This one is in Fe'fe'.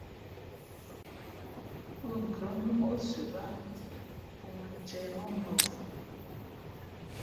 Pʉ̂nkhʉ́ά ngʉ́ móʼ sʉα báá pō mᾱ ncēh mά mᾱvhʉ náh.